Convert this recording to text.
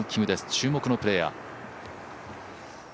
注目のプレーヤー。